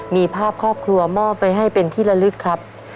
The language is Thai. มีภาพครอบครัวมอบไปให้เป็นที่ละลึกครับ